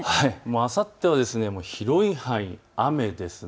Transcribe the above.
あさっては広い範囲、雨です。